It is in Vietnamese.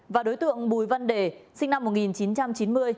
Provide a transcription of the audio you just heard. và đối tượng bùi văn đề sinh năm một nghìn chín trăm chín mươi